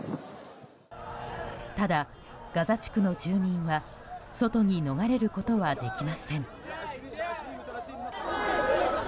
ただ、ガザ地区の住民は外に逃れることはできません。